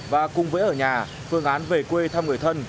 và cùng với ở nhà phương án về quê thăm người thân